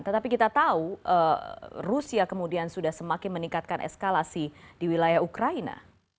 tetapi kita tahu rusia kemudian sudah semakin meningkatkan eskalasi di wilayah ukraina